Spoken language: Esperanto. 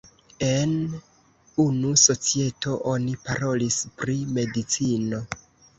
En unu societo oni parolis pri medicino.